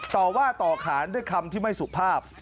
ต่อว่าต่อขานด้วยคำที่ไม่สุภาพ